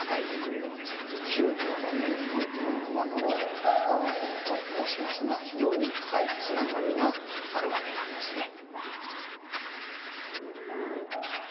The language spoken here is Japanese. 宗教の面においても熊野の海と申しますのは非常に深いつながりがあるわけなんですね。